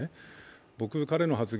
僕、彼の発言